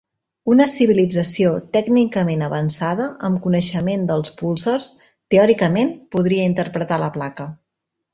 Una civilització tècnicament avançada, amb coneixement dels púlsars, teòricament podria interpretar la placa.